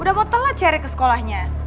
udah mau telat cari ke sekolahnya